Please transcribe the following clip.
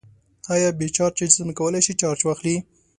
آیا بې چارجه جسم کولی شي چارج واخلي؟